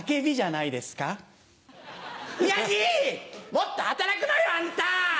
もっと働くのよあんた！」。